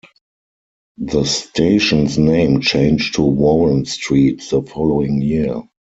The station's name changed to "Warren Street" the following year.